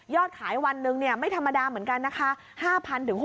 ขายวันหนึ่งไม่ธรรมดาเหมือนกันนะคะ